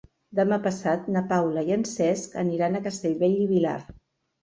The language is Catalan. Demà passat na Paula i en Cesc aniran a Castellbell i el Vilar.